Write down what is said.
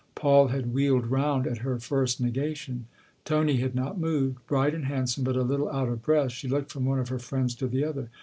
Paul had wheeled round at her first negation ; Tony had not moved. Bright and handsome, but a little out of breath, she looked from one of her friends to the other.